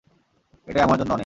এটাই আমার জন্য অনেক।